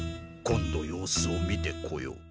今度様子を見てこよう。